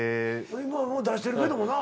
今もう出してるけどもなぁ。